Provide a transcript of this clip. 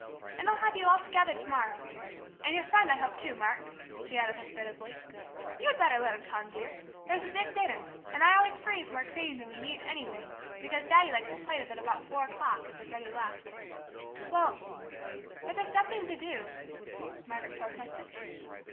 And I'll have you all together to morrow and your friend I hope, too, Mark," she added hospitably. "You had better let him come, dear. There's a big dinner, and I always freeze more cream than we need, anyway, because Daddy likes a plate of it about four o'clock, if there's any left." "Well but there's nothing to do," Margaret protested.